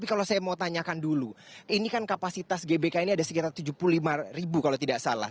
tapi kalau saya mau tanyakan dulu ini kan kapasitas gbk ini ada sekitar tujuh puluh lima ribu kalau tidak salah